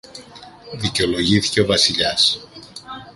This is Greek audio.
δικαιολογήθηκε ο Βασιλιάς